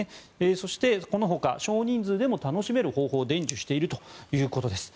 そして、このほか少人数でも楽しめる方法を伝授しているということです。